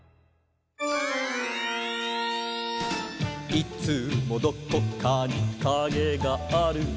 「いつもどこかにカゲがある」